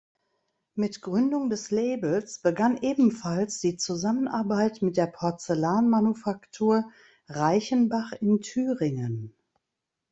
Mit Gründung des Labels begann ebenfalls die Zusammenarbeit mit der Porzellanmanufaktur Reichenbach in Thüringen.